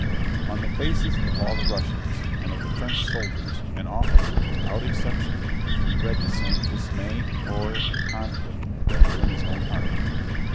On the faces of all the Russians and of the French soldiers and officers without exception, he read the same dismay, horror, and conflict that were in his own heart.